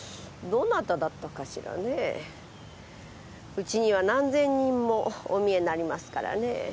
ウチには何千人もお見えになりますからね。